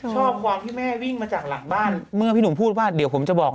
ชอบความที่แม่วิ่งมาจากหลังบ้านเมื่อพี่หนุ่มพูดว่าเดี๋ยวผมจะบอก